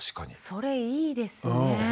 それいいですね。